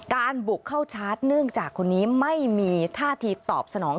บุกเข้าชาร์จเนื่องจากคนนี้ไม่มีท่าทีตอบสนอง